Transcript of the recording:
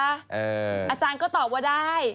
อาจารย์ก็ตอบว่าได้